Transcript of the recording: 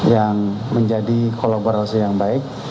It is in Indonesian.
yang menjadi kolaborasi yang baik